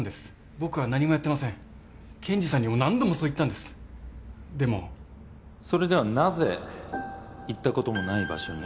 僕は何もやってません検事さんにも何度もそう言ったんですでも・それではなぜ行ったこともない場所に